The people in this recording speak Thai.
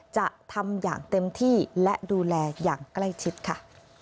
จะทำอย่างเต็มที่และดูแลอย่างใกล้ชิดค่ะ